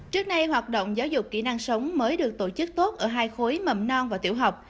trước nay hoạt động giáo dục kỹ năng sống mới được tổ chức tốt ở hai khối mầm non và tiểu học